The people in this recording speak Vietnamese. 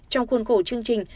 trong khuôn khổ chương trình